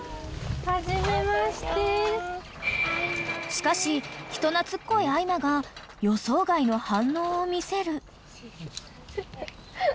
［しかし人懐っこいあいまが予想外の反応を見せる］